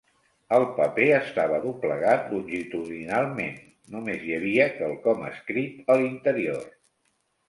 El paper estava doblegat longitudinalment, només hi havia quelcom escrit a l'interior.